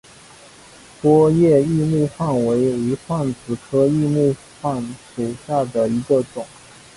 波叶异木患为无患子科异木患属下的一个种。